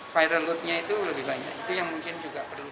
viral loadnya itu lebih banyak itu yang mungkin juga perlu